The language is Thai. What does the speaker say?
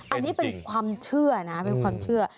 อันนี้เป็นความเชื่อนะเป็นความเชื่อ